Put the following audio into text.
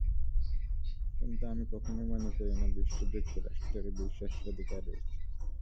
কিন্তু আমি কখনোই মনে করি না, বিশ্বে যুক্তরাষ্ট্রের বিশেষ অধিকার রয়েছে।